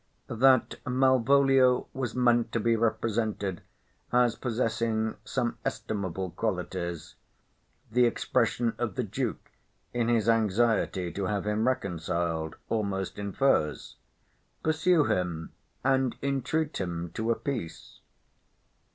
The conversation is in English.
That Malvolio was meant to be represented as possessing estimable qualities, the expression of the Duke in his anxiety to have him reconciled, almost infers. "Pursue him, and entreat him to a peace."